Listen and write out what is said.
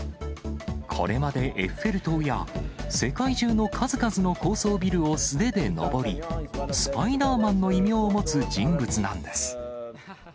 これまでエッフェル塔や、世界中の数々の高層ビルを素手で登り、スパイダーマンの異名を持つ人物なんです。